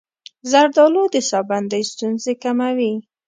زردآلو د ساه بندۍ ستونزې کموي.